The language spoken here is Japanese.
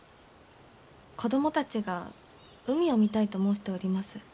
子供たちが海を見たいと申しております。